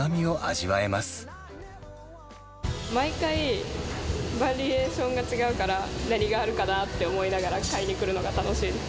毎回バリエーションが違うから、何があるかなって思いながら買いに来るのが楽しいです。